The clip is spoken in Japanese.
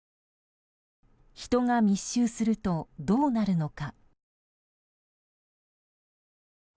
人が密集すると、どうなるのか。